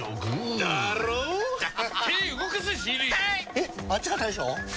えっあっちが大将？